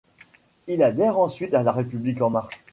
Il adhère ensuite à La République en marche.